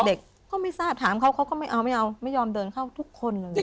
เด็กก็ไม่ทราบถามเขาเขาก็ไม่เอาไม่เอาไม่ยอมเดินเข้าทุกคนเลย